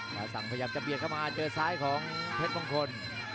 แต่สั่งพยายามจะเบียดเข้ามาเจอซ้ายของเพชรมงคล